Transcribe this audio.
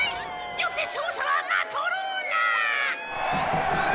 よって勝者はマトローナ！